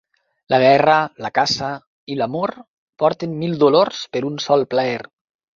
La guerra, la caça i l'amor porten mil dolors per un sol plaer.